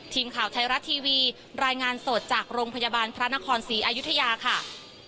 ทีมข่าวไทยรัฐทีวีรายงานสดจากโรงพยาบาลพระนครศรีอายุทยาค่ะ